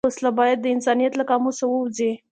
وسله باید د انسانیت له قاموسه ووځي